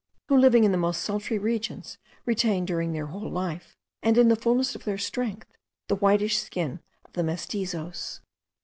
who, living in the most sultry regions, retain during their whole life, and in the fulness of their strength, the whitish skin of the Mestizoes.